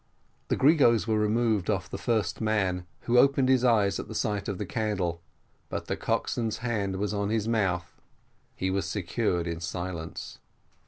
The gregos were removed off the first man, who opened his eyes at the sight of the candle, but the coxswain's hand was on his mouth he was secured in silence.